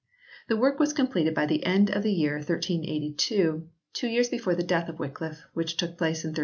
The work was completed by the end of the year 1382, two years before the death of Wycliffe, which took place in 1384.